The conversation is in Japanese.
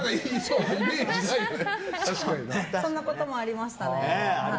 そんなこともありましたね。